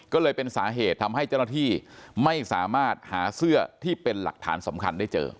ก็เลยเป็นสาเหตุทำให้เจ้าหน้าที่ไม่สามารถหาเสื้อที่เป็นหลักฐานสำคัญได้เจอ